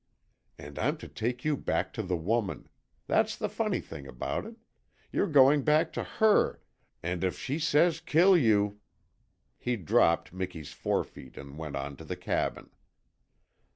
"And I'm to take you back to the woman. That's the funny thing about it. You're going back to HER, and if she says kill you " He dropped Miki's forefeet and went on to the cabin.